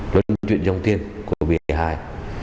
luôn chuyển dòng tiền của bịa hại